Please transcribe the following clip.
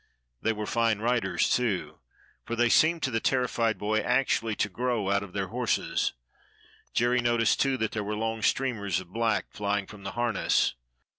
They were fine riders, too, for they seemed to the terrified boy actually to grow out of their horses. Jerry noticed, too, that there were long streamers of black flying from the harness.